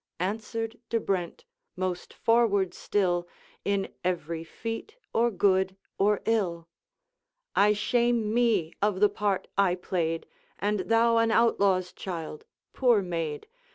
Answered De Brent, most forward still In every feat or good or ill: 'I shame me of the part I played; And thou an outlaw's child, poor maid!